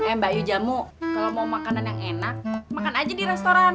kayak mbak yu jamu kalau mau makanan yang enak makan aja di restoran